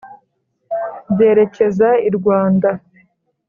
byerekeza i rwanda.